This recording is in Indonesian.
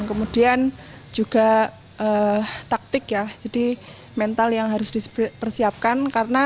kemudian juga taktik ya jadi mental yang harus dipersiapkan karena